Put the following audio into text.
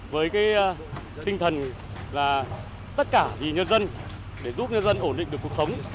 với tinh thần tất cả vì nhân dân để giúp nhân dân ổn định được cuộc sống